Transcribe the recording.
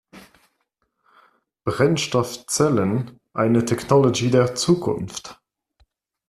Brennstoffzellen, eine Technologie der Zukunft.